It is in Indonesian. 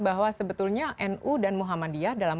bahwa sebetulnya nu dan muhammadiyah dalam